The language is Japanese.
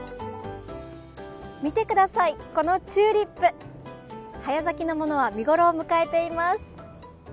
見てください、このチューリップ早咲きのものは見頃を迎えています。